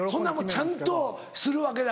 ちゃんとするわけだ